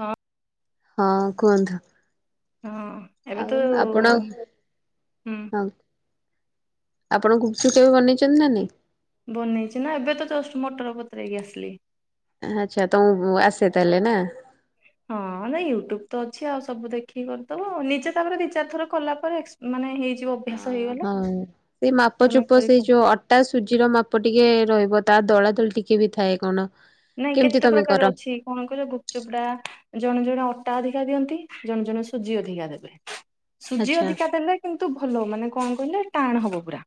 ହଁ। ହଁ କୁହନ୍ତୁ? ହଁ। ଏବେ ତ ଆଉ ଆପଣ? ହୁଁ ହଁ ଆପଣ ଗୁପଚୁପ୍ କେବେ ବନେଇଛନ୍ତି ନା ନାଇଁ? ବନେଇଛି ନା ଏବେ ତ ଜଷ୍ଟ ମଟର ବତୁରେଇକି ଆସିଲି। ଆଚ୍ଛା ତମକୁ ଆସେ ତାହେଲେ ନା? ହଁ ନାଇଁ ୟୁଟ୍ୟୁବ ତ ଅଛି ଆଉ ସବୁ ଦେଖିକି କରିଦବ ନିଜେ ତାପରେ ଦିଇ ଚାରିଥର କଲା ପରେ ଏକ୍ସ ମାନେ ହେଇ ଅ ହଁ ସେଇ ତମେ ମାପଚୁପ କରିବ ସେଇ ଯୋଉ ଅଟା ସୁଜିର ମାପ ଟିକେ ରହିବ ତା ଦଳା ଦୁଳି ଟିକେ ବି ଥାଏ କଣ। ନାଇଁ କେମିତି କେତେ ତମେ ପ୍ରକାର କର ଅଛି କଣ କହିଲ ଗୁ ଚୁପଟା ଜଣେ ଜଣେ ଅଟା ଅଧିକା ଦିଅନ୍ତି ଜଣେ ଜଣେ ସୁଜି ଅଧିକା ଦେବେ। ସୁଜି ଆଚ୍ଛା ଅଧିକା ଦେଲେ କିନ୍ତୁ ଭଲ ମାନେ କଣ କହିଲେ ଟାଣ ହବ ପୁରା।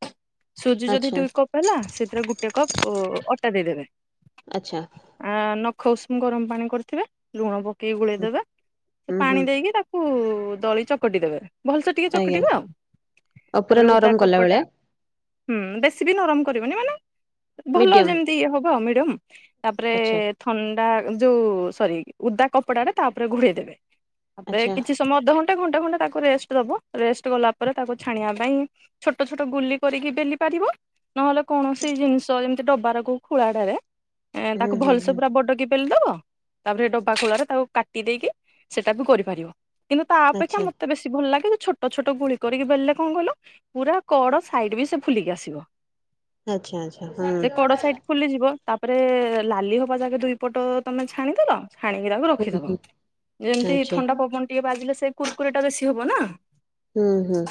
ସୁଜି ଯଦି ଆଚ୍ଛା ଦୁଇ କପ୍ ହେଲା ସେଇଥିରେ ଗୋଟେ କପ୍ ଅଟା ଦେଇଦେବେ। ଆଚ୍ଛା। ଆ ନଖ ଉଷୁମ ଗରମ ପାଣି କରିଥିବେ ଲୁଣ ପକେଇକି ଗୋଳେଇ ଦେବେ, ସେ ହୁଁ ହୁଁ ପାଣି ଦେଇକି ତାକ ଉଁ ଦଳି ଚକଟି ଦେବେ ଭଲସେ ଟିକେ ଆଜ୍ଞା ଚକଟିବେ ଆଉ। ଆଉ ପୁରା ତାପରେ ନରମ ଉଦା କଲା ଭଳିଆ କପଡ଼ା। ହୁଁ ବେଶୀ ବି ନରମ କରିବନି ମାନେ ଭଲ ମିଡିୟମ ଯେମିତି ଇଏ ହବ ଆଉ ମିଡିୟମ୍। ତାପରେ ଆଚ୍ଛା ଥଣ୍ଡା ଯୋଉ ସରି ଉଦା କପଡାଟେ ତାଉପରେ ଘୋଡେଇ ଦେବେ। ତାପରେ ଆଚ୍ଛା କିଛି ସମୟ ଅଧଘଣ୍ଟେ ଘଣ୍ଟେ ଖଣ୍ଡ ତାକୁ ରେଷ୍ଟ ଦବ। ରେଷ୍ଟ ଗଲା ପରେ ତାକୁ ଛାଣିଆ ପାଇଁ। ଛୋଟ ଛୋଟ ଗୁଲି କରିକି ବେଲି ପାରିବ। ନହେଲେ କୌଣସି ଜିନିଷ ଯେମିତି ଡବାର କୋଉ ଖୁଳା ଟାରେ ଏ ହୁଁ ତାକୁ ହୁଁ ହୁଁ ଭଲସେ ପୁରା ବଡକି ବେଲି ଦବ। ତାପରେ ଡବା ଖୂଳାରେ ତାକୁ କାଟି ଦେଇକି ସେଟା ବି କରିପାରିବ। କିନ୍ତୁ ତା ଅପେକ୍ଷା ଆଚ୍ଛା। ମତେ ବେଶି ଭଲ ଲାଗେ ଯେ ଛୋ ଛୋଟ ଛୋଟ ଗୁଳି କରିକି ବେଲିଲେ କଣ କଇଲ ପୁରା କଡ ସାଇଡ ବି ସେ ଫୁଲିକି ଆସିବ। ଆଚ୍ଛା ଆଚ୍ଛା ହୁଁ। ଫୁଲିଯିବ ତାପରେ ଲାଲି ହବା ଯାକେ ଦୁଇ ପଟ ତମେ ଛାଣିଦେଲ। ଛାଣିକି ତାକୁ ହୁଁ ରଖିଦବ। ହୁଁ ଯେମିତି ଆଚ୍ଛା ଥଣ୍ଡା ପବନ ଟିକେ ବାଜିଲେ ସେ କୁୁରକୁରି ଟା ବେଶୀ ହବ ନା। ହୁଁ ହୁଁ।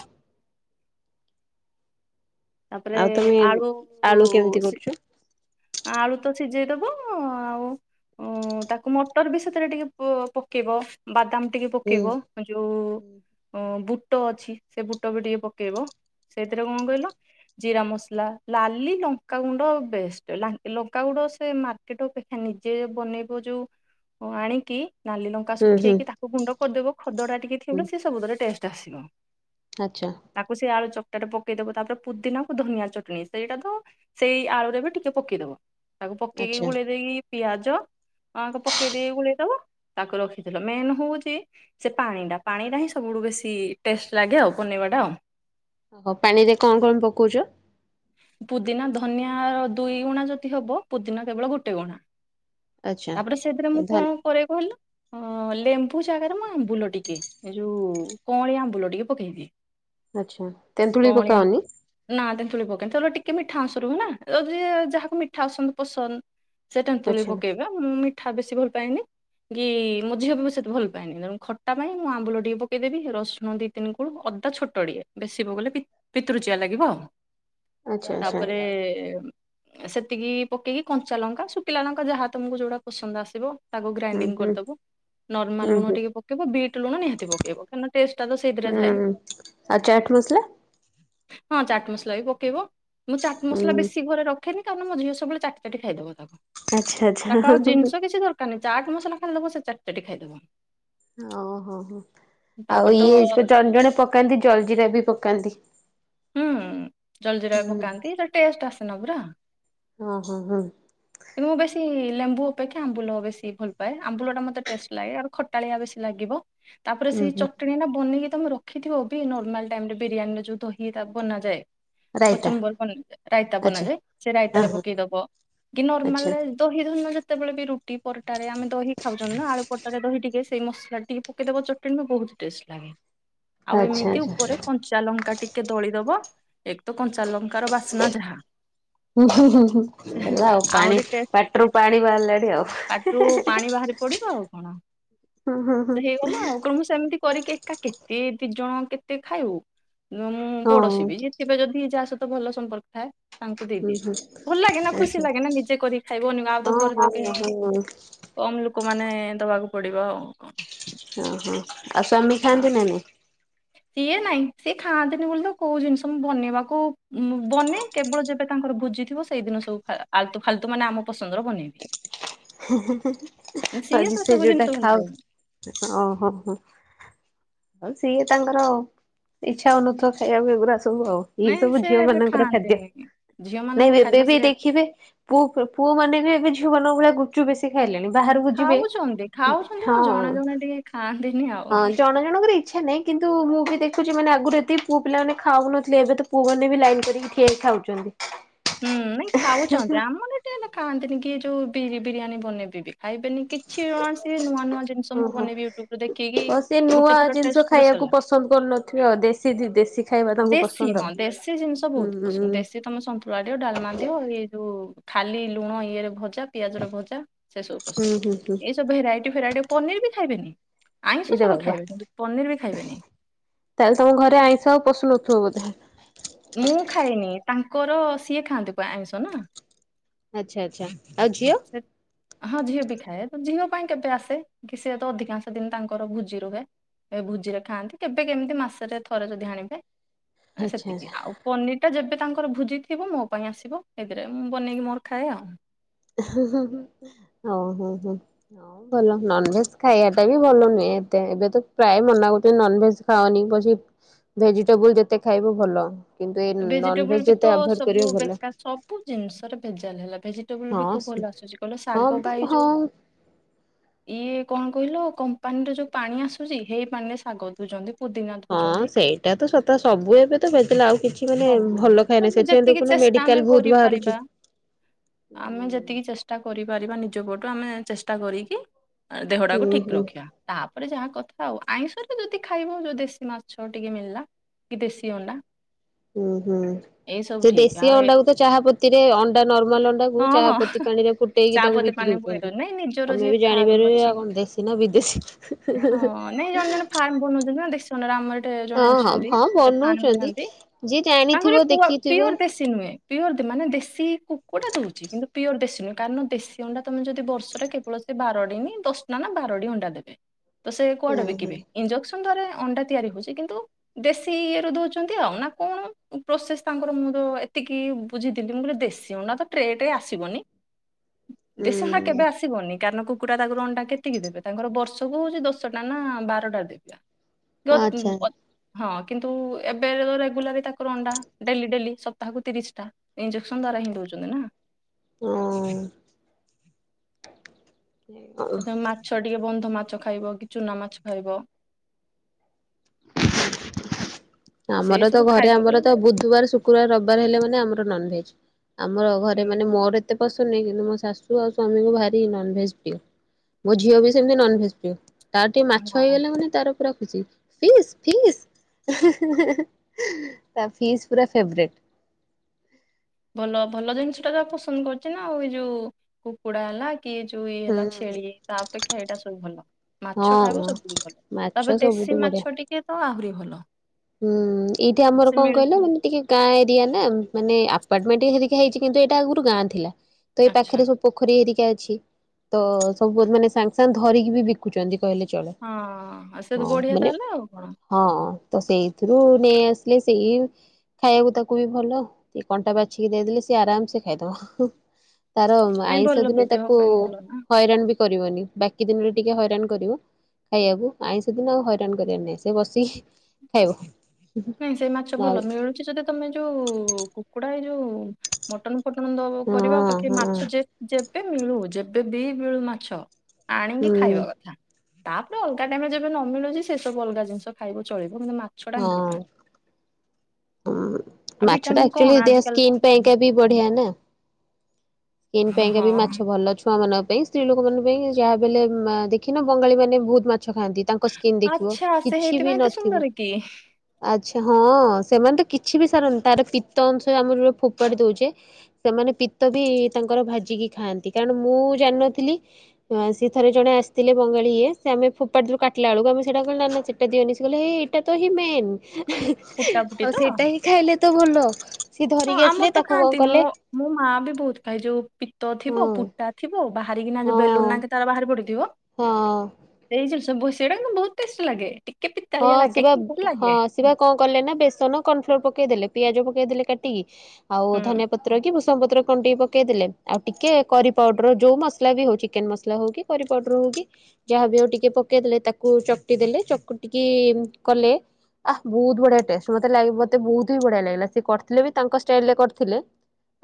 ତାପରେ ଆଉ ତମେ ଆଳୁ ଆଳୁ କେମିତି ସି କରୁଛ ଆଳୁ ତ ସିଝେଇ ଦବ ଆଉ। ଓ ତାକୁ ମଟର ବି ସେଥିରେ ଟିକେ ପ ପକେଇବ। ବାଦାମ ଟିକେ ହୁଁ ପକେଇବ ଯୋଉ ଉ ବୁ ଟ ଅଛି ସେ ବୁଟ ବି ଟିକେ ପକେଇବ ସେଇଥିରେ କଣ କହିଲ। ଜିରା ମସଲା ଲାଲି ଲଙ୍କାଗୁଣ୍ଡ ବେଷ୍ଟ। ଲା ଲଙ୍କାଗୁଣ୍ଡ ସେ ମାର୍କେଟ ଅପେକ୍ଷା ନିଜେ ବନେଇବ ଯୋଉ। ଓ ଆଣିକି ନାଲି ଲ କା ହୁଁ ହୁଁ। ଶୁଖେଇକି ତାକୁ ଗୁଣ୍ଡ କରିଦବ ଖଦଡା ଟିକେ ହୁଁ ଥିବ ସେ ସବୁଥିରେ ଟେଷ୍ଟ ଆସିବ। ଆଚ୍ଛା। ତାକୁ ସେଇ ଆଳୁ ଚକଟାରେ ପକେଇ ଦବ ତାପରେ ପୁଦିନାକୁ ଧନିଆ ଚଟଣି ସେଇଟା ତ ସେଇ ଆଳୁରେ ବି ଟିକେ। କେ ପକେଇଦବ ତାକୁ ପକେଇକି ଆଚ୍ଛା ଗୋଳେଇ ଦେଇକି ପିଆଜ। ଅ ତ ପକେଇଦେଇ ଗୋଳେଇ ଦବ ତାକୁ ରଖିଥିଲ ମେନ ହଉଛି। ସେ ପାଣି ଟା ପାଣି ଟା ହିଁ ସବୁଠୁ ବେଶୀ ଟେଷ୍ଟ ଲାଗେ ଆଉ ବନେଇବା ଟା ଆଉ। ଓହୋ ପାଣିରେ କଣ କଣ ପକଉଛ? ପୁଦିନା ଧନିଆର ଦୁଇ ଗୁଣା ଯଦି ହବ ପୁଦିନା କେବଳ ଗୋଟେ ଗୁଣା। ଆଚ୍ଛା। ତାପରେ ସେଥିରେ ମୁଁ ଧ କଣ କରେ କହିଲ। ହଁ ଲେମ୍ବୁ ଜାଗାରେ ମୁଁ ଆମ୍ବୁଲ ଟିକେ ଏ ଯୋଉ କଅଁଳିଆ ଆମ୍ବୁଲ ଟିକେ ପକେଇଦିଏ। ଆଚ୍ଛା। ତେନ୍ତୁଳି କଅଁଳିଆ ପକାଅନି? ନା ତେନ୍ତୁଳି ପକାଏନି ତେତୁ ଟିକେ ମିଠା ଅଂସ ରୁହେନା ଯଦି ଯାହାକୁ ମିଠାସନ୍ଦ ପସନ୍ଦ। ସେ ତେନ୍ତୁଳି ଆଚ୍ଛା ପକେଇବେ ମୁଁ ମିଠା ବେଶୀ ଭଲ ପାଏନି। କି ମୋ ଝିଅ ବି ମୁ ସେତେ ଭଲ ପାଏନି ତେଣୁ ଖଟା ପାଇଁ ମୁଁ ଆମ୍ବୁଲ ଟିକେ ପକେଇଦେବି ରସୁଣ ଦି ତିନି କୋଳୁ ଅଦା ଛୋଟଟିଏ ବେଶି ପକେଇଲେ ପି ପିତୁରୁଚିଆ ଲାଗିବ। ଆଚ୍ଛା ଆଚ୍ଛା ତାପରେ। ସେତିକି ପକେଇକି କଞ୍ଚା ଲଙ୍କା, ଶୁକିଲା ଲଙ୍କା ଯାହା ତମକୁ ଯୋଉଡା ପସନ୍ଦ ଆସିବ। ତାକୁ ହୁଁ ଗ୍ରାଇଣ୍ଡିଙ୍ଗ ହୁଁ କରିଦବ। ନର୍ମାଲ ହୁଁ ଲୁଣ ହୁଁ ଟିକେ ପକେଇବ। ବିଟ୍ ଲୁଣ ନିହାତି ପକେଇବ କାହିଁକିନା ଟେଷ୍ଟଟା ତ ସେଇଥିରେ ଥାଏ। ହୁଁ ଆଉ ଚାଟ୍ ମସଲା। ହଁ ଚାଟ୍ ମସଲା ବି ପକେଇବ। ମୁଁ ଚାଟ୍ ହୁଁ ମସଲା ହୁଁ, ବେଶୀ ଘରେ ରଖ୍ ଖେିନି କାରଣ ମୋ ଝିଅ ସବୁବେଳେ ଚାଟି ଚାଟି ଖାଇଦବ ତାକୁ ଆଚ୍ଛା ଆଚ୍ଛା ତାକୁ ଆଉ ଜିନିଷ କିଛି ଦର କାର ନା ଚାଟ୍ ମସଲା ଖାଲିଦବ ସେ ଚାଟିଚାଟି ଖାଇଦବ। ଓହୋ ହୋ ଆଉ ତାପରେ ତ ଇଏ ଜଣ ଜଣ ପକାନ୍ତି ଜଲଜିିରା ବି ପକାନ୍ତି ହୁଁ ଜଲ ଜିରା ହୁଁ ପକାନ୍ତି ତ ଟେଷ୍ଟ ଆସେନ ପୁରା ହଁ ହୋ ହଁ ମୁଁ ବେଶୀ ଲେମ୍ବୁ ଅପେକ୍ଷା ଆମ୍ବୁଲ ବେଶୀ ଭଲ ପାଏ ଆମ୍ବୁଲ ଟା ମତେ ଟେଷ୍ଟ ଲାଗେ ଆଉ ଖଟାଳିଆ ବେଶୀ ଲାଗିବ ତାପରେ ହୁଁ ସେଇ ହୁଁ ଚଟଣି ଟା ବନେଇକି ତମେ ରଖିଥିବ ବି ନର୍ମାଲ ଟାଇମ ରେ ବିରିୟାନୀ ର ଯୋଉ ଦହି ଇ ରବ ନାଯାଏ ରାଇତା କଚୁମ୍ବର ବ ରାଇତା ଆଚ୍ଛା ବନାଯାଏ ସେ ହଁ ରାଇତାରେ ହଁ ପକେଇ ଦବ କି ଆଚ୍ଛା। ନର୍ମାଲ ଦହି ଧରନ ଯେତେବେଳେ ବି ରୁଟି ପରଟାରେ ଆମେ ଦହି ଖାଉଛନ୍ତିୁ ନା ଆଳୁ ପରଟାରେ ଦହି ଟିକେ ସେଇ ମସଲା ଟି ପକେଇଦବ ଚଟଣି ର ବହୁତ ଟେଷ୍ଟ ଲାଗେ। [inaudible] ଆଉ ଆଚ୍ଛା ଏମିତି ଆଚ୍ଛା ଉପରେ କଞ୍ଚା ଲଙ୍କା ଟି କେ ଦଳିଦବ ଏକ ତ କଞ୍ଚା ଲଙ୍କାର ବାସ୍ନା ଯାହା ହୁ ହୁ ହୁ ହେଲା ଆଉ ପାଣି ଆହୁରି ଟେଷ୍ଟ ପାଟିରୁ ପାଣି ବାହାରିଲାଣି ଆଉ ହେଁ ପାଟିରୁ ହେଁ ହେଁ ପାଣି ବାହାରି ପଡିବ ଆଉ କଣ ହୁଁ ସେ ହେଇଗଲା ଆଉ କଣ ମୁ ସେମିତି କରିକି ଏକା କେତେ ଦି ଜଣ କେତେ ଖାଇଉ ମୁଁ ହଁ ପଡୋଶୀ ବି ଯିଏଥିବେ ଯଦି ଯାହା ସହିତ ଭଲ ସମ୍ପର୍କ ଥାଏ ତାଙ୍କୁ ହୁଁ ଦେଇଦିଏ ହୁଁ ଭଲ ଲାଗେ ନା ଖୁସି ଆଚ୍ଛା ଲାଗେ ନା ନିଜେ କରିକି ଖାଇବନ ଆଉ ତ ହଁ ଘରେ ହଁ ତ କେହି ହଁ କମ ଲୋକ ମାନେ ଦବାକୁ ପଡିବ ଆଉ କଣ ଓହୋ ଆଉ ସ୍ୱାମୀ ଆଉ ଖାଆନ୍ତି ନା ନାଇ ସିଏ ନାଇଁ ସିଏ ଖାଆନ୍ତିନି ବୋଲି ତ କୋଉ ଜିନିଷ ମୁ ବନେଇବାକୁ ବନେ କେବଳ ଯେବେ ତାଙ୍କର ଭୋଜି ଥିବ ସେଇଦିନ ସବୁ ଫାଲତୁ ମାନେ ଆମ ପସନ୍ଦର ବନେଇବି। ସିଏ ଆଜି ତ ସେ ସବୁ ଯୋଉଟା ଜିନିଷ ଭଲ ପାଇବେ ଖାଉ ଓହୋ ହୋ। ଆଉ ସିଏ ତାଙ୍କର ଇଛା ହଉନଥିବ ଖାଇବାକୁ ଏଗୁଡା ସବୁ ଆଉ? ଏଇ ନାଇଁ ସବୁ ସେ ଝିଅ ମାନଙ୍କର ଖାଦ୍ୟ ଖାଆନ୍ତିନି ଝିଅ ନାଇଁ ମାନଙ୍କ ଏବେ ଖାଦ୍ୟ ବି ସେ ଦେଖିବେ ପୁଅ ପୁଅ ମାନେ ବି ଏବେ ଝିଅମାନଙ୍କ ଭଳିଆ ଗୁପଚୁପ ବେଶି ଶ ଖାଇଲେଣି ବାହାରକୁ ଯିବେ ଖାଉଛନ୍ତି ଖାଉଛନ୍ତି ହଁ ମୋ ଜଣେ ଜଣେ ଟିକେ ଖାଆନ୍ତିନି ଆଉ ହଁ। ଜଣ ଜଣଙ୍କର ଇଚ୍ଛା ନାହିଁ କିନ୍ତୁ ମୁଁ ବି ଦେଖୁଛି ମାନେ ଆଗରୁ ଏତିି ପୁଅ ପିଲାମାନେ ଖାଉନଥିଲେ ଏବେ ତ ପୁଅମାନେ ବି ଲାଇନ୍ କରିକି ଠିଆ ହେଇ ଖାଉଛନ୍ତି। ହୁଁ ନାଇଁ ଖାଉଛନ୍ତି ଆମର ଟିକେ ଖାଆନ୍ତିନି କି ଯୋଉ ବି ବିରିୟାନୀ ବନେଇଦେବି। ଖାଇବେନି କିଛି ୱାନ୍ସ ନୂଆ ନୂଆ ଜିନିଷ ମୁଁ ଓହୋ ବନେଇବି ୟୁଟ୍ୟୁବରେ ଦେଖିକି ଓ ସେ ନୂଆ ଗୋଟେ ଥର ଟେ ଜିନିଷ ଖାଇବାକୁ ସରିଲା ପସନ୍ଦ କରୁନଥିବେ ଆଉ ଦେଶୀ ଦେଶୀ ଖାଇବା ତାଙ୍କୁ ଦେଶୀ ପସନ୍ଦ ଆଉ। ହଁ ଦେଶୀ ଜିନିଷ ହୁଁ ବହୁତ ହୁଁ ପସନ୍ଦ ଦେଶୀ ତମେ ସନ୍ତୁଳା ଦିଅ ଡାଲମା ଦିଅ ଏଇ ଯୋଉ ଖାଲି ଲୁଣ ଇଏରେ ଭଜା ପିଆଜର ଭଜା ସେସବୁ ହୁଁ ହୁଁ ହୁଁ ପସନ୍ଦ ଏଇସବୁ ଭେରାଇଟି ଭେରାଇଟି ପନିର ବି ଖାଇବେନି। ଆଇଁଷ ଏଇରେ ସବୁ ବାବା ଖାଇବେ କିନ୍ତୁ ପନିର ବି ଖାଇବେନି। ତାହେଲେ ତମ ଘରେ ଆଇଁଷ ଆଉ ପଶୁ ନଥିବ ବୋଧେ? ମୁଁ ଖାଇନି ତାଙ୍କର ସିଏ ଖାଆନ୍ତି କୁ ଆମିଷ ନା? ଆଚ୍ଛା ଆଚ୍ଛା ଆଉ ଝିଅ? ହଁ ଝିଅ ବି ଖାଏ ତ ଝିଅ ପାଇଁ କେତେ ଆସେ? କି ସେ ତ ଅଧିକାଂଶ ଦିନ ତାଙ୍କର ଭୋଜି ରୁହେ। ଏ ଭୋଜିରେ ଖାଆନ୍ତି କେବେ କେମିତି ମାସରେ ଥରେ ଯଦି ଆଣିବେ ଆଚ୍ଛା ସେତିକି ଆଚ୍ଛା ଆଉ ପନିର ଟା ଯେବେ ତାଙ୍କର ଭୋଜି ଥିବ ମୋ ପାଇଁ ଆସିବ ଏଥିରେ ମୁଁ ବନେଇକି ମୋର ଖାଏ ଆଉ। ହ ହୋ ହୁଁ। ହଁ ଭଲ ନନଭେଜ ଖାଇବାଟା ବି ଭଲ ନୁହେଁ ଏତେ ଏବେ ତ ପ୍ରାୟ ମନା କରୁଛନ୍ତି ନନଭେଜ ଖାଅନି ବ ଭେଜିଟେବୁଲ ଯେତେ ଖାଇବ ଭଲ। କିନ୍ତୁ ଏ ଭେଜିଟେବୁଲ ନନଭେଜ ବି ତ ଯେତେ ଆଭଏଡ ସବୁ କରିବ ଭଲ। ବେକାର ସବୁ ଜିନିଷର ଭେଜାଲ ହେଲା ଭେଜିଟେବୁଲ ବିବ ଭଲ ହଁ ଆସୁଛି କହିଲ ଶାଗ ବା ହଁ ଏଇ ଯୋଉ ହଁ ଇଏ କଣ କହିଲ କମ୍ପାନୀରେ ଯୋଉ ପାଣି ଆସୁଛି ହେଇ ପାଣି ରେ ଶାଗ ଧୋଉଛନ୍ତି। ହଁ ସେଇଟା ତ ସତ ସବୁ ଏବେ ତ ଭେଦିଲା ଆଉ କିଛି ମାନେ ସବୁ ଭଲ ଖାଇନା ସବୁ ସେଥିପାଇଁ ଯେତିକି ଦେଖୁନ ଚେଷ୍ଟା ଆମେ ମେଡିକାଲ ବହୁତ କରିପାରିବା ବାହାରୁଛି? ଆମେ ଯେତିକି ଚେଷ୍ଟା କରିପାରିବା ନିଜ ପଟୁ ଆମେ ଚେଷ୍ଟା କରିକି ଆ ଦେହ ହୁଁ ହୁଁ ଟାକୁ ଠିକ ହୁଁ ରଖିବା। ତାପରେ ଯାହା କଥା ଆଉ ଆଇଁଷରେ ଯଦି ଖାଇବ ଯୋଉ ଦେଶୀ ମାଛ ଟିକେ ମିଳିଲା। କି ଦେଶି ଅଣ୍ଡା। ଉଁ ହୁଁ। ଏଇ ସବୁ ଠିକ ଦେଶୀ ଆଉ ଏ ଅଣ୍ଡାକୁ ତ ଚାହାପତିରେ ଅଣ୍ଡା ନର୍ମାଲ ଅଣ୍ଡାକୁ ହଁ ଚାହା ହଁ ପତି ପାଣି ରେ ଫୁ ଫୁଟେଇକି ଚା ତାକୁ ପତି ବିକି ପାଣି ପୁରେଇଦଉ ଦଉଛନ୍ତି ନାଇଁ ନିଜର ଯିଏ ତମେ ବି ଫାର୍ମ ଜାଣିପାରିବ ଅଛି ଆ କଣ ଦେଶୀ ନା ବିଦେଶୀ। ହଁ ନାଇଁ ଜଣେ ଜଣେ [unintelligible] ଫାର୍ମ ବନାଉଛନ୍ତି ନା ଦେଶି ଅଣ୍ଡାରେ ଆମର ଏଠ ହଁ ଜଣେ ହଁ ଅଛନ୍ତି ହଁ ସେ ଫାର୍ମ ବନଉଛନ୍ତି। ବନାନ୍ତି। ଯିଏ ଜାଣିଥିବ ତାଙ୍କରି ପୁଅ ଦେଖିଥିବ ପିୟୋର୍ ଦେଶି। ଦେଶି ନୁହେ ପିଓର ମାନେ ଦେଶୀ କୁକୁଡ଼ା ଦଉଛି କିନ୍ତୁ ପିଓର ଦେଶି ନୁହେଁ କାରଣ ଦେଶୀ ଅଣ୍ଡା ତମେ ଯଦି ବର୍ଷରେ କେ ଵଳ ସେ ବାର ଟି ଦଶ ନା ବାର ଟି ଅଣ୍ଡା ଦେବେ। ହ ତ ସେ କୁଆଡେ ବିକିବେ ଇଜସ ରେ ଅଣ୍ଡା ତିଆରି ହଉଛି କିନ୍ତୁ ଦେଶୀ ଇଏ ରୁ ଦଉଛନ୍ତି ଆଉ ନା କଣ ପ୍ରୋସେସ ତାଙ୍କର ମୁଁ ତ ଏତିକି ବୁଝିଥିଲି ମୁଁ କହଲି ଦେଶୀ ଅଣ୍ଡାତ ଟ୍ରେଏଟ୍ରେ ଆସିବ ଦେଶୀ ଅଣ୍ଡା କେବେ ହୁଁ ଆସିବନି। କାରଣ କୁକୁରା ତାକୁ ଅଣ୍ଡା କେତିକି ଦେବେ ତାଙ୍କର ବର୍ଷକୁ ହଉଛି ଦଶଟା ନା ବାରଟା ଦେବ। ଆଚ୍ଛା। [unintelligible] ହଁ କିନ୍ତୁ ଏବେ ରେଗୁଲାର ତା ଅଣ୍ଡା ଡେଲି ଡେଲି ସପ୍ତାହକୁ ତିରିଶ ଟା ଇଙ୍ଗେଶନ ଦ୍ଵାରା ହିଁ ଦଉଛନ୍ତି ନା। ହଁ ଅ। ଏ ମାଛ ଟିକେ ବନ୍ଧ ମାଛ ଖାଇବ କି ଚୁନା ମାଛ ଖାଇବ। ସେଇ ଆମର ତ ସବୁ ଘରେ ଖାଇବା ଆମର ବଲେ ତ ହୁଁ ବୁଧବାର ସୁ ପୁରା ରବିବାର ହେଲେ ମାନେ ଆମର ନନ ଭେଜ ଆମର ଘରେ ମାନେ ମୋର ମତେ ପସନ୍ଦ ନାହିଁ କିନ୍ତୁ ମୋ ଶାଶୁ ଆଉ ସ୍ୱାମୀଙ୍କୁ ଭାରି ନନଭେଜ୍ ପ୍ରିୟ। ମୋ ଝିଅ ବି ସେମିତି ନନଭେଜ ପ୍ରିଅ ତାର ଟିକେ ମାଛ ହଁ ହେଇଗଲେ ମାନେ ତାର ପୁରା ଖୁସି। ଫିସ୍ ଫିସ୍ ତା ଫିସ୍ ପୁରା ଫେବରେଟ। ଭଲ ଭଲ ଜିନିଷ ଟା ଯା ପସନ୍ଦ କରୁଛି ନା ଆଉ ଏଇ ଯୋଉ କୁକୁଡା ହେଲା କିଏ ଯୋଉ ଇଏ ହଁ ହେଲା ଛେଳି ତା ଅପେକ୍ଷା ଏଇଟା ସବୁ ଭଲ। ମାଛ ଖାଇବ ହଁ ସବୁଠୁ ଭଲ ମାଛ ତାପରେ ସବୁଠୁ ଦେଶୀ ବଢିଆ। ମାଛ ଟିକେ ତ ଆହୁରି ଭଲ। ହୁଁ ଏଇଠି ଆମର ସେ କଣ କହିଲା ମିଳିଯିବ। ମାନେ ଟିକେ ଗାଁ ଏରିଆ ନା ମାନେ ଆପାର୍ଟମେଣ୍ଟ ହେରିକା ହେଇଛି କିନ୍ତୁ ଏଟା ଆଗରୁ ଗାଁ ଥିଲା ତ ଏଇ ଆଚ୍ଛା ପାଖରେ ପୋଖରୀ ହେରିକା ଅଛି ତ ସବୁ ମାନେ ସାଙ୍ଗେ ସାଙ୍ଗେ ଧରିକି ବି ବିକୁଛନ୍ତି। କହିଲେ ଚଳେ। ହଁ ଆଉ ସେ ହଁ ବଢିଆ ମାନେ ତାହେଲେ ଆଉ କଣ। ହଁ ତ ସେଇଥିରୁ ନେଇ ଆସିଲେ ସେଇ ଖାଇବାକୁ ତାକୁ ବି ଭଲ ଇଏ କଣ୍ଟା ବାଛିକି ଦେଇଦେଲେ ସିଏ ଆରାମସେ ଖାଇଦବ। ତାର ନାଇଁ ଆଇଁଷ ଭଲ ବି ଦିନ ଦେହ ତାକୁ ପାଇଁ ଭଲ ନା। ହଇରାଣ ବିକ କରିବନି ବାକି ଦିନରେ ଟିକେ ହଇରାଣ କରିବ। ଖାଇବାକୁ ଆଇଁ ସେଦିନ ଆଉ ହଇରାଣ କରିବାର ନାହିଁ ସେ ବସିକି ଖାଇବ। ହୁଁ ସେଇ ମାଛ ଭୁଲ ନହେଲେ ମିଳୁଛି ଯଦି ତମେ ଯୋଉ କୁକୁଡା ଏ ଯୋଉ ମଟନ ପସନ୍ଦ କରିବା ହଁ ପାକି ହଁ। ମାଛ ଯେବେ ମିଳୁ ଯେବେ ବି ମିଳୁ ମାଛ ଆଣିକି ହୁଁ ଖାଇବ କ ତାପରେ ଅଲଗା ଟାଇମ ଯେବେ ନ ମିଳୁଛି ସେ ସବୁ ଅଲଗା ଜିନିଷ ଖାଇବ ଚଳିବ କିନ୍ତୁ ମାଛଟା [unintelligible] ହଁ ଆଉ ମାଛ ଟା ଭିଟାମିନ୍ କଣ ଆକ୍ଚୁଆଲି ଦେହ ଆଜିକାଲି ତ ସ୍କିନ୍ ପାଇଁକା ବି ବଢିଆ ନା। ସ୍କନ୍ ପାଇଁକା ହଁ ବି ମାଛ ଭଲ ଅଛ ଛୁଆ ମାନଙ୍କ ପାଇଁ ସ୍ତ୍ରୀ ଲୋକ ମାନଙ୍କ ପାଇଁ ଯାହା ବି ହେଲେ ଦେଖିନ ବଙ୍ଗାଳୀ ମାନେ ବହୁତ ମାଛ ଖାଆନ୍ତି। ତାଙ୍କ ସ୍କିନ୍ ଦେଖିବ ଆଚ୍ଛା ସେ କିଛି ହେଇଥିପାଇଁ ବି ଏତେ ନଥିବ। ସୁନ୍ଦର କି ଆଚ୍ଛା ହଁ ଅସେମାନେ ତ କିଛି ବି ସାରନି ତାର ପିତ୍ ଅଂଶ ଆମର ଫୋପାଡି ଦଉଛେ। ସେମାନେ ପିତ୍ତ ବି ତାଙ୍କର ଭାଜିକି ଖାଆନ୍ତି କାରଣ ମୁଁ ଜାଣିନଥିଲି ହଁ ସେ ଥରେ ଜଣେ ଆସିଥିଲେ ବଙ୍ଗାଳି ଇଏ ଆମେ ଫୋପାଡି ଥିଲୁ [unintelligible] [inaudible] ଏଇଟା ତ ହିଁ ମେନ୍ ଫୁଟା ଫୁଟି ଆଉ ତ? ସେଇଟା ହିଁ ଖାଇଲେ ତ ଭଲ। ସିଏ ଧରିକି ଆସିଲେ ତାକୁ କଣ କଲେ? ମୁଁ ମାଆ ବି [unintelligible] ଭାଇ ଯୋଉ ପିତ ହଁ ଥିବ ଫୁଟା ଥିବ ବାହାରିକିନା ହଁ ଯୋଉ ବେଲୁନ ନା ତାର ବାହାରି ପଡିଥିବ। ହଁ ହିଁ। ସେଇ ଜିନିଷ [unintelligible] ସେଗୁଡାକ ବହୁତ ଟେଷ୍ଟ ଲାଗେ ଟିକେ ପିତାଳିଆ ଲାଗେ କି ଲାଗେ। ସେ କଣ କଲେ ନା ବେସନ କର୍ଣଫ୍ଲୋର ପକେଇଦଲେ ପିଆଜ ପକେଇ ଦେଲେ କାଟିକି ଆଉ ହୁଁ ଧନିଆପ ପତ୍ର କି ଭୁସଗଂ ପତ୍ର କଣ ଟିକେ ପକେଇଦେଲେ ଆଉ ଟିକେ କରିପାଉଡର ଯୋଉ ମସଲା ବି ହଉବି ଚିକେନ ମସଲା ହଉ କି କରିପାଉଡର ହଉକି ଯାହାବି ଆଉ ଟିକେ ପକେଇଦେଲେ ତାକୁ ଚକଟି ଦେଲେ ଚକୁ ଟିକି କଲେ ଆଃ ବହୁତ ବଢିଆ ଟେଷ୍ଟ ମତେ ଲା ମତେ ବହୁତ ହି ବଢିଆ ଲାଗିଲା ସେ କରିଥିଲେ ବି ତାଙ୍କ ଷ୍ଟାଇଲରେ କରିଥିଲେ।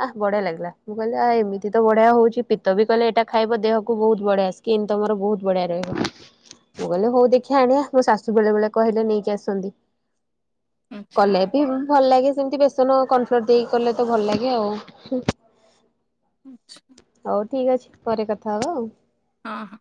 ଆଃ ବଢିଆ ଲାଗିଲା ମୁଁ କହିଲେ ଆ ଏମିତି ତ ବଢିଆ ହଉଛି ପିତ ବି କହିଲେ ଏଇଟା ଖାଇବ ଦେହକୁ ବହୁତ ବଢିଆସି [inaudible] ବହୁତ ବଢିଆ ରହିବ ମୁଁ କହିଲେ ହଉ ଦେଖିଆ ଆଣିବା ମୋ ଶା ବେଳେ ବେଳେ କହିଲେ ନେଇକି ଆସନ୍ତି ଆଚ୍ଛା କଲେ ବି ଭଲ ଲାଗେ ସେମିତି ବି ସନ କନଫ୍ଲୋର ଦେଇକି କଲେ ତ ଭଲ ଲାଗେ ଆଉ ଅଚ୍ଛ୍। ହଉ ଠିକ୍ ଅଛି ପରେ କଥା ହବା ଆଉ। ଅହଁ ହଁ।